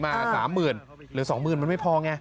มาสามหมื่นเหลือสองหมื่นมันไม่พอไง